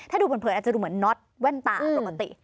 ถ้าดูเผยอาจจะดูเหมือนน็อตแว่นตาปกติ